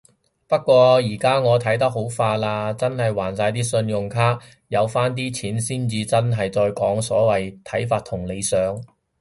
不過依家我睇得好化啦，真係還晒啲信用卡。有返啲錢先至真係再講所謂睇法同理想